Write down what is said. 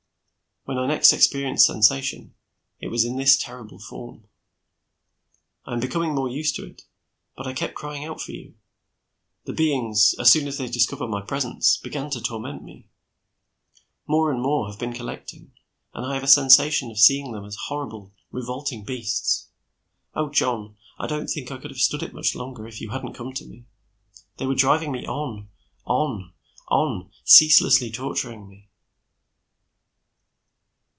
When I next experienced sensation, it was in this terrible form. I am becoming more used to it, but I kept crying out for you: the beings, as soon as they discovered my presence, began to torment me. More and more have been collecting, and I have a sensation of seeing them as horrible, revolting beasts. Oh, John, I don't think I could have stood it much longer, if you hadn't come to me. They were driving me on, on, on, ceaselessly torturing me."